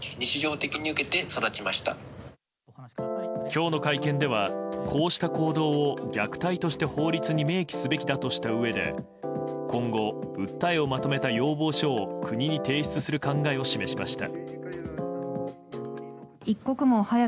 今日の会見ではこうした行動を虐待として法律に明記すべきだとしたうえで今後、訴えをまとめた要望書を国に提出する考えを示しました。